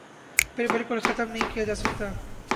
پر بالکل ختم نہیں کیا جاسکتا